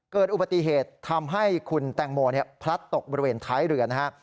เกิดอุบัติเหตุทำให้คุณแตงโมพลัดตกบริเวณท้ายเรือนะฮะ